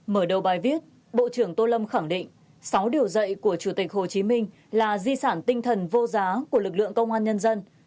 mở đầu bài viết bộ trưởng tô lâm khẳng định sáu điều dạy của chủ tịch hồ chí minh là di sản tinh thần vô giá của lực lượng công an nhân dân